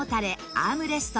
アームレスト